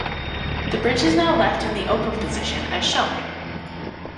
The bridge is now left in the open position as shown.